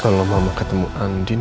kalau mama ketemu andin